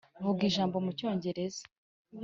Vuga ijambo mu Cyongereza.